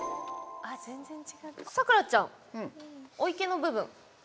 咲楽ちゃん「おいけ」の部分。